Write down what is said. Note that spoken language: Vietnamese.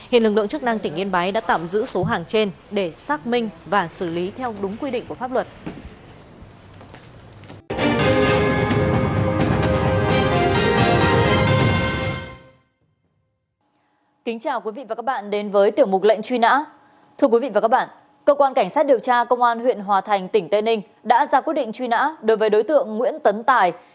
hiện lực lượng chức năng tỉnh yên bái đã tạm giữ số hàng trên để xác minh và xử lý theo đúng quy định của pháp luật